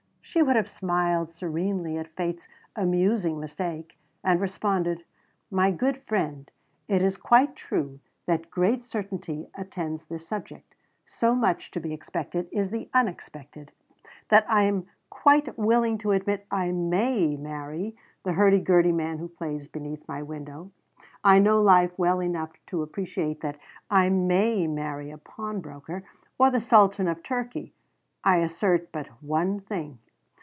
she would have smiled serenely at Fate's amusing mistake and responded "My good friend, it is quite true that great uncertainty attends this subject. So much to be expected is the unexpected, that I am quite willing to admit I may marry the hurdy gurdy man who plays beneath my window. I know life well enough to appreciate that I may marry a pawnbroker or the Sultan of Turkey. I assert but one thing.